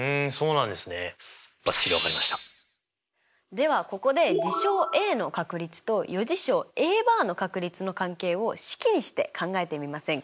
ではここで事象Ａの確率と余事象Ａバーの確率の関係を式にして考えてみませんか？